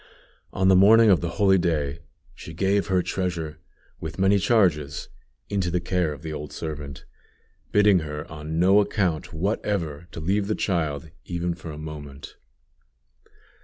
On the morning of the holy day, she gave her treasure, with many charges, into the care of the old servant, bidding her on no account whatever to leave the child, even for a moment.